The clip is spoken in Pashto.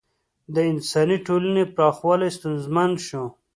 د انساني ټولنې پراخوالی ستونزمن شو.